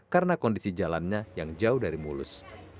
karena kondisi jalannya yang jauh dari mulus